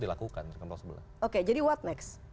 dilakukan sebelah oke jadi what next